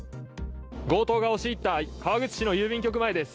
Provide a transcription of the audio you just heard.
強盗が押し入った川口市の郵便局前です。